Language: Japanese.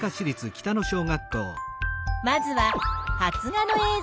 まずは発芽のえい